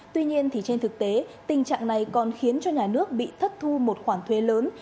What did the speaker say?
tuy nhiên trên thực tế tình trạng này còn khiến cho nhà nước bị thất thu một khoản thuế lớn